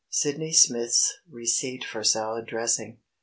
SYDNEY SMITH'S RECEIPT FOR SALAD DRESSING.